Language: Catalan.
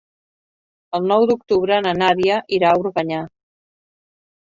El nou d'octubre na Nàdia irà a Organyà.